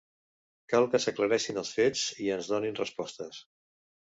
Cal que s’aclareixin els fets i ens donin respostes.